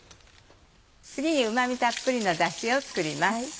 次にうま味たっぷりのだしを作ります。